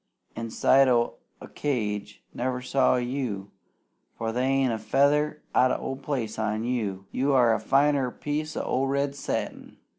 Inside o' a cage never saw you, for they ain't a feather out o' place on you. You are finer'n a piece o' red satin.